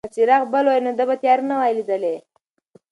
که څراغ بل وای نو ده به تیاره نه وای لیدلې.